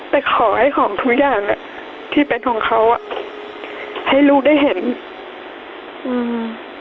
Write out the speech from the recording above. แต่ขอให้ของทุกอย่างเนี้ยที่เป็นของเขาอ่ะให้ลูกได้เห็นอืม